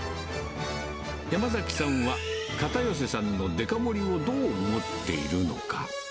山崎さんは、片寄さんのデカ盛りをどう思っているのか。